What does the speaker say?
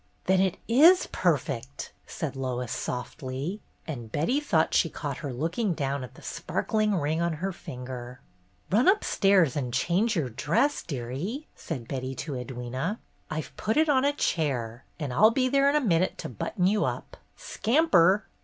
"Then it is perfect," said Lois, softly, and 17 258 BETTY BAIRD'S GOLDEN YEAR Betty thought she caught her looking down at the sparkling ring on her finger. " Run upstairs and change your dress, dearie," said Betty to Edwyna. ''I've put it on a chair, and I'll be there in a minute to button you up. Scamper!"